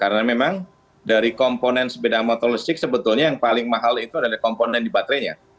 karena memang dari komponen sepeda motor listrik sebetulnya yang paling mahal itu adalah komponen di baterainya